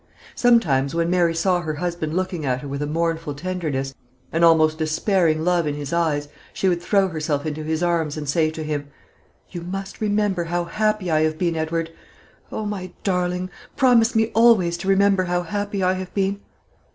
Sometimes, when Mary saw her husband looking at her with a mournful tenderness, an almost despairing love in his eyes, she would throw herself into his arms, and say to him: "You must remember how happy I have been, Edward. O my darling! promise me always to remember how happy I have been."